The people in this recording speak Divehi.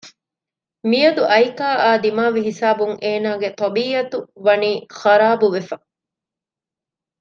މިއަދު އައިކާއާ ދިމާވި ހިސާބުން އޭނާގެ ޠަބީއަތު ވަނީ ޚަރާބުވެފަ